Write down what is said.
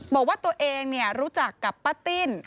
บอกว่าตัวเองรู้จักกับป้าติ้น